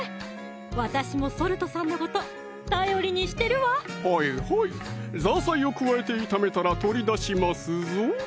私もソルトさんのこと頼りにしてるわはいはいザーサイを加えて炒めたら取り出しますぞ